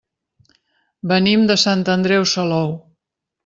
Venim de Sant Andreu Salou.